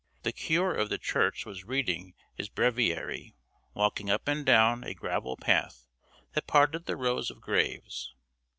The cure of the church was reading his breviary, walking up and down a gravel path that parted the rows of graves.